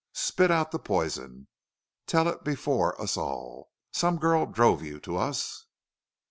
Spit out the poison.... Tell it before us all!... Some girl drove you to us?"